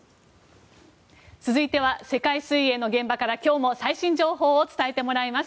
続いては世界水泳の現場から今日も最新情報を伝えてもらいます。